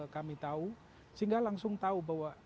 kami tahu sehingga langsung tahu bahwa